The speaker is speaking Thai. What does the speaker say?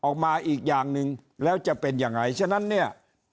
ออกมาอีกอย่างหนึ่งแล้วจะเป็นยังไงฉะนั้นเนี่ย